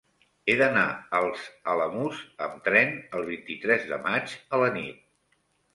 He d'anar als Alamús amb tren el vint-i-tres de maig a la nit.